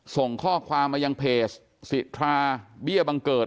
ส่งข้อความมายังเพจสิทราเบี้ยบังเกิด